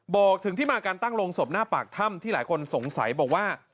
บอกถึงที่มาการตั้งโรงศพหน้าปากถ้ำที่หลายคนสงสัยบอกว่า